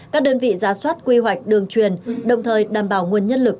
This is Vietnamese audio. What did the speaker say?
các đơn vị giả soát quy hoạch đường truyền đồng thời đảm bảo nguồn nhân lực